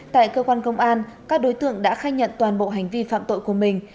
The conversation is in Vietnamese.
tại cơ quan công an các đối tượng đã khai nhận toàn bộ hành vi phạm tội của mình